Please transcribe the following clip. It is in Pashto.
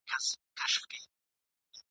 وختونه به تیریږي دا ژوندون به سبا نه وي !.